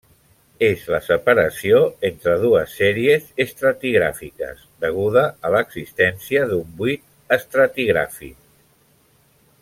És la separació entre dues sèries estratigràfiques, deguda a l'existència d'un buit estratigràfic.